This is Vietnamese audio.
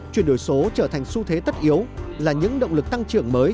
chuyển đổi số trở thành xu thế tất yếu là những động lực tăng trưởng mới